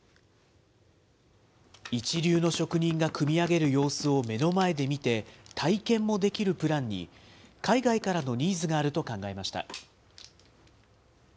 一流の職人が組み上げる様子を目の前で見て、体験もできるプランに、海外からのニーズがあると考えました。